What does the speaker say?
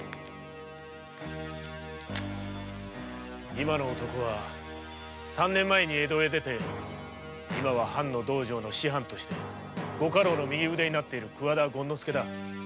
あの男は三年前に江戸に出て今は藩の道場の師範としてご家老の右腕になっている桑田権之助だ。